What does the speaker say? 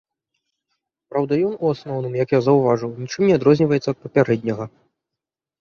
Праўда, ён, у асноўным, як я заўважыў, нічым не адрозніваецца ад папярэдняга.